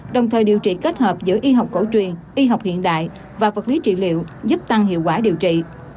đồng thời điều trị kết hợp giữa y học cổ truyền y học hiện đại và vật lý trị liệu giúp tăng hiệu quả điều trị